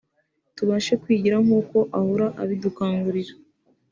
tubashe kwigira nk’uko ahora abidukangurira